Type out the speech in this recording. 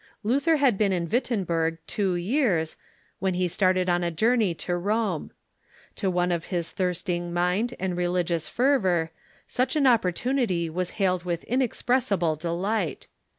Luther had been in Wittenberg two years, when he start ed on a journey to Rome. To one of his thirsting mind and religious fervor such an opportunit}^ was hailed with inex pressible delight.